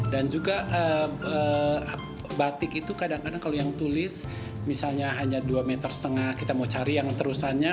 dan juga batik itu kadang kadang kalau yang tulis misalnya hanya dua meter setengah kita mau cari yang terusannya